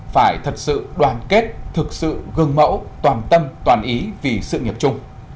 phải thật sự đoàn kết thực sự gương mẫu toàn tâm toàn ý vì sự nghiệp chung